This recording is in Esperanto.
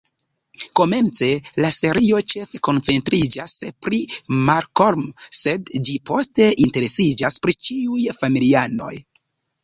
Komence, la serio ĉefe koncentriĝas pri Malcolm, sed ĝi poste interesiĝas pri ĉiuj familianoj.